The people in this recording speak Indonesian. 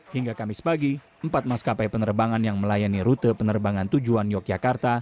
hingga kamis pagi empat maskapai penerbangan yang melayani rute penerbangan tujuan yogyakarta